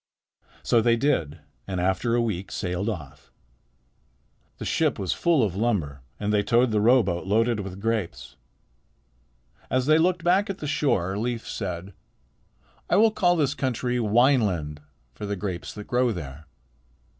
So they did, and after a week sailed off. The ship was full of lumber, and they towed the rowboat loaded with grapes. As they looked back at the shore, Leif said: "I will call this country Wineland for the grapes that grow there."